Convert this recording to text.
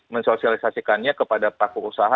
mensosialisasikannya kepada pelaku usaha